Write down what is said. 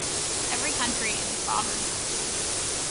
Every country is a sovereign country.